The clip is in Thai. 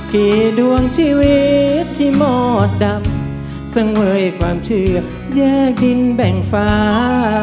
กี่ดวงชีวิตที่หมอดำเสังเวยความเชื่อแยกดินแบ่งฟ้า